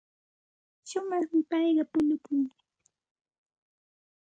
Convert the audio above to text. Shumaqmi payqa punukun.